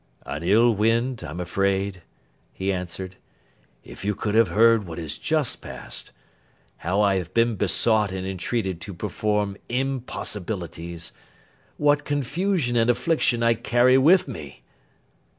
'An ill wind, I am afraid,' he answered. 'If you could have heard what has just passed—how I have been besought and entreated to perform impossibilities—what confusion and affliction I carry with me!